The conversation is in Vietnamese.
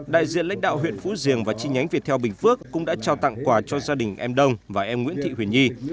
đại diện lãnh đạo huyện phú diềng và chi nhánh việt theo bình phước cũng đã trao tặng quà cho gia đình em đông và em nguyễn thị huyền nhi